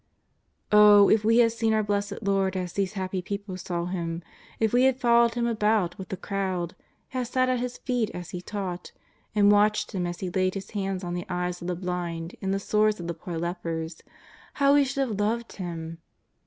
Oh, if we had seen our Blessed Lord as these happy people saw Him, if we had followed Him about with tho 208 JESUS OF NAZABETH. crowd, had sat at His feet as He taught, and watched Him as He laid His hands on the eyes of the blind and the sores of the poor lepers — how we should have loved Him